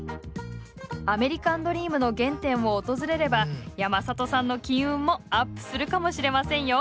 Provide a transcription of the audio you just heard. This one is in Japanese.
アメリカンドリームの原点を訪れれば山里さんの金運もアップするかもしれませんよ。